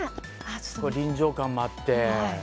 臨場感もあって。